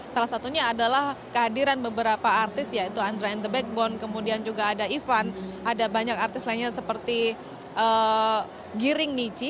salah satunya adalah kehadiran beberapa artis yaitu andra and the backbone kemudian juga ada ivan ada banyak artis lainnya seperti giring niji